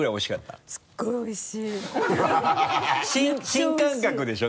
新感覚でしょ？